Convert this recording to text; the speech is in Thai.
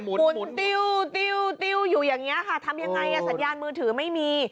คุณติ้วติ้วอยู่อย่างนี้ค่ะทำยังไงสัญญาณมือถือไม่มี